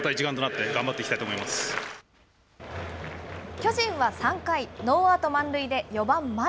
巨人は３回、ノーアウト満塁で４番丸。